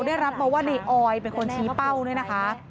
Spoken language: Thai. ได้รับมาว่าในออยเป็นคนชี้เป้าด้วยนะคะ